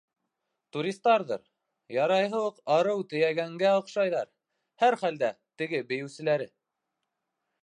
Туристарҙыр, ярайһы уҡ арыу тейәгәнгә оҡшайҙар, һәр хәлдә, теге бейеүселәре.